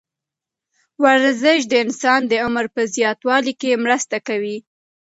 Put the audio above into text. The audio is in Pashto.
ورزش د انسان د عمر په زیاتولو کې مرسته کوي.